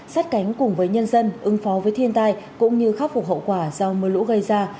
sát cánh cùng với nhân dân ứng phó với thiên tai cũng như khắc phục hậu quả do mưa lũ gây ra